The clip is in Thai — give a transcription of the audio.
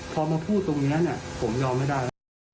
พอมาพูดตรงนี้ผมยอมไม่ได้แล้ว